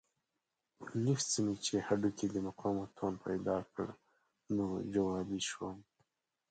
لږ څه مې چې هډوکو د مقاومت توان پیدا کړ نو جوالي شوم.